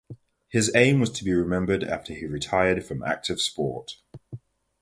His aim was to be remembered after he retired from active sport.